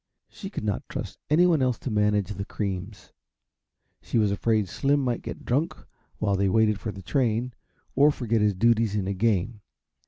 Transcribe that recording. She could not trust anyone else to manage the creams; she was afraid Slim might get drunk while they waited for the train, or forget his duties in a game.